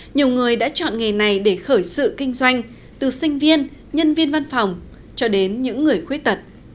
nhiều người đã chọn nghề này để khởi sự kinh doanh từ sinh viên nhân viên văn phòng cho đến những người khuyết tật